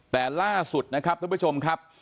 แต่ล่าสุดนะครับท่านผู้ชมครับ